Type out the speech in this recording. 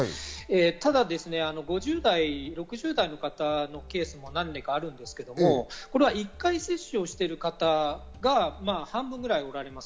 ただ、５０代、６０代の方のケースも何名かあるんですが、これは１回接種している方が半分ぐらいおられます。